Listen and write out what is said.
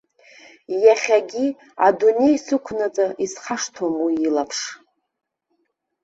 Иахьагьы, адунеи сықәнаҵы исхашҭуам уи илаԥш.